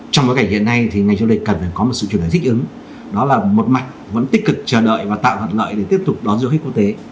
trong cái cảnh hiện nay thì ngành chủ đề cần phải có một sự chuyển đổi thích ứng đó là một mặt vẫn tích cực chờ đợi và tạo hợp lợi để tiếp tục đón du khách quốc tế